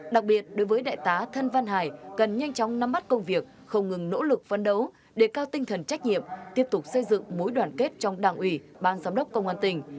đặc biệt đối với đại tá thân văn hải cần nhanh chóng nắm mắt công việc không ngừng nỗ lực phấn đấu để cao tinh thần trách nhiệm tiếp tục xây dựng mối đoàn kết trong đảng ủy bang giám đốc công an tỉnh